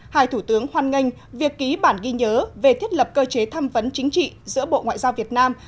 hai thủ tướng hoan nghênh việc ký bản ghi nhớ về thiết lập cơ chế tham vấn chính trị giữa bộ ngoại giao việt nam